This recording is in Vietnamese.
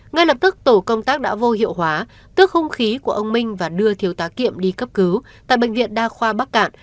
ngay lập tức tổ công tác đã vô hiệu hóa tước hung khí của ông minh và đưa thiếu tá kiệm đi cấp cứu tại bệnh viện đa khoa bắc cạn